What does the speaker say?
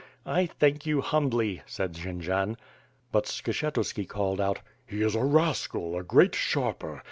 "I thank you humbly," said Jendzian. But Skshetuski called out: "He is a rascal, a great sharper.